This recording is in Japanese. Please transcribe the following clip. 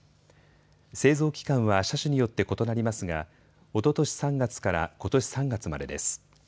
製造期間は車種によって異なりますがおととし３月からことし３月までです。